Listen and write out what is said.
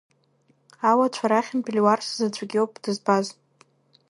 Ауацәа рахьынтә, Леуарса заҵәык иоуп дызбаз.